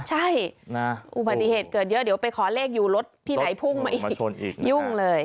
ใช่อุบัติเหตุเกิดเยอะเดี๋ยวไปขอเลขอยู่รถที่ไหนพุ่งมาอีกยุ่งเลย